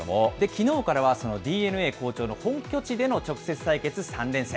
きのうからはそのＤｅＮＡ好調の本拠地での直接対決３連戦。